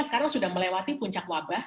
sekarang sudah melewati puncak wabah